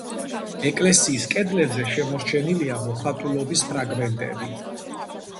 ეკლესიის კედლებზე შემორჩენილია მოხატულობის ფრაგმენტები.